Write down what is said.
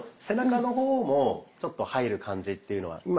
背中の方もちょっと入る感じというのは。